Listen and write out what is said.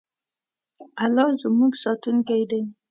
الله زموږ ساتونکی دی.